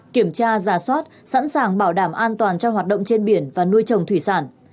kiểm tra giả soát sẵn sàng bảo đảm an toàn cho hoạt động trên biển và nuôi trồng thủy sản